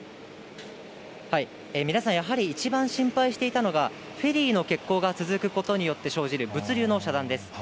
皆さん、やはり一番心配していたのが、フェリーの欠航が続くことによって生じる物流の遮断です。